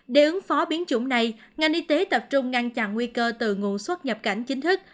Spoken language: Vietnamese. để ứng phó biến chủng này ngành y tế tập trung ngăn chặn nguy cơ từ ngụ xuất nhập cảnh chính thức